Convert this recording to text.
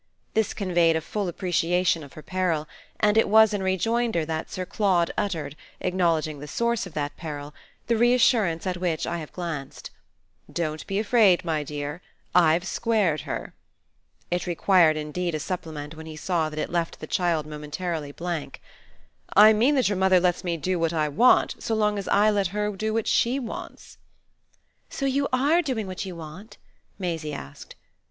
This conveyed a full appreciation of her peril, and it was in rejoinder that Sir Claude uttered, acknowledging the source of that peril, the reassurance at which I have glanced. "Don't be afraid, my dear: I've squared her." It required indeed a supplement when he saw that it left the child momentarily blank. "I mean that your mother lets me do what I want so long as I let her do what SHE wants." "So you ARE doing what you want?" Maisie asked.